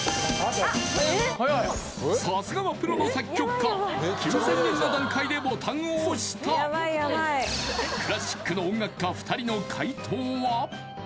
さすがはプロの作曲家９０００円の段階でボタンを押したクラシックの音楽家２人の解答は？